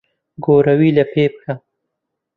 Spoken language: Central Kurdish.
گۆرەوی لەپێ بکە.